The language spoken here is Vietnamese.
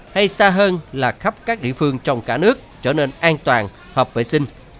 hay xa hơn là khắp các địa phương trong cả nước trở nên an toàn hợp vệ sinh